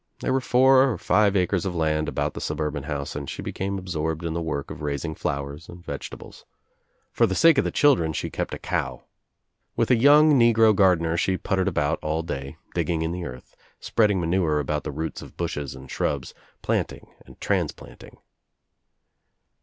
There were four or five acres of land about the sub urban house and she became absorbed in the work of raising flowers and vegetables. For the sake of the chil dren she kept a cow. With a young negro gardener she puttered about all day, digging in the earth, spreading manure about the roots of bushes and shrubs, planting and transplanting.